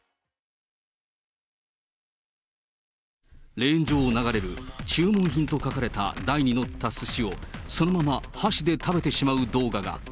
レーン上を流れる注文品と書かれた台に載ったすしを、そのまま箸で食べてしまう動画が。